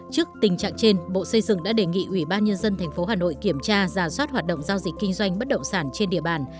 trước tình trạng trên bộ xây dựng đã đề nghị ủy ban nhân dân tp hà nội kiểm tra giả soát hoạt động giao dịch kinh doanh bất động sản trên địa bàn